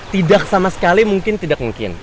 tidak sama sekali mungkin tidak mungkin